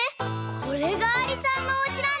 これがありさんのおうちなんだ。